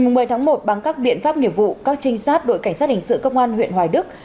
ngày một mươi tháng một bằng các biện pháp nghiệp vụ các trinh sát đội cảnh sát hình sự công an huyện hoài đức